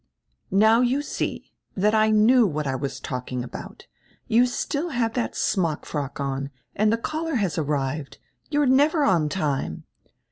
"Now you see diat I knew what I was talking about. You still have that smock frock on and die caller has arrived. You are never on time."